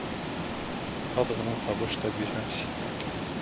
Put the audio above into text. Аҙ ғына табыш та бирһәңсе!